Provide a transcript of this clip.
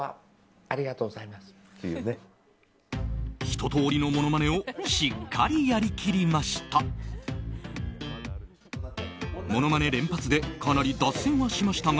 ひと通りのものまねをしっかりやりきりました。